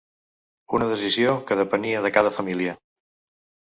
Una decisió que depenia de cada família.